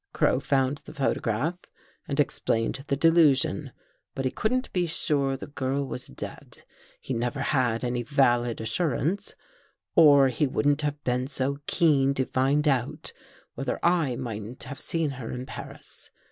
Crow found the photograph and explained the delusion, but he couldn't be sure the girl was dead. He never had any valid assurance, or he wouldn't have been so keen to find out whether I mightn't have seen her in Paris.